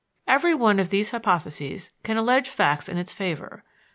Every one of these hypotheses can allege facts in its favor.